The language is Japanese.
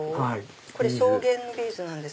これ草原ビーズなんです。